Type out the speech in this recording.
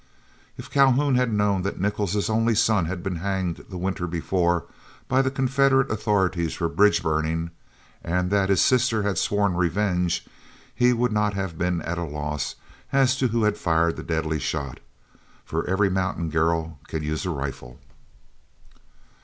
If Calhoun had known that Nichol's only son had been hanged the winter before by the Confederate authorities for bridge burning, and that his sister had sworn revenge, he would not have been at a loss as to who had fired the deadly shot, for every mountain girl can use a rifle.